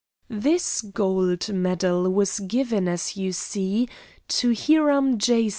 "This gold medal was given, as you see, to 'Hiram J.